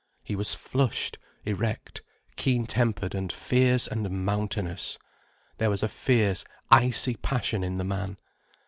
He was flushed, erect, keen tempered and fierce and mountainous. There was a fierce, icy passion in the man.